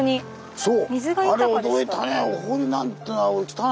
そう！